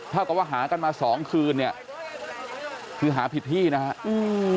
ถ้าก็ว่าหากันมา๒คืนคือหาผิดพิทธินะครับ